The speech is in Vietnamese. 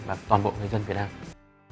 mà toàn bộ người dân việt nam